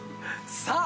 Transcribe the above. さあ。